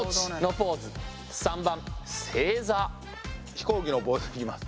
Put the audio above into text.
飛行機のポーズいきます。